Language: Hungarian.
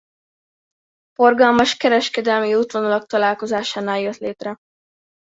Forgalmas kereskedelmi útvonalak találkozásánál jött létre.